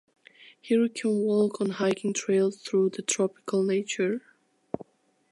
Here you can walk on hiking trails through the tropical nature.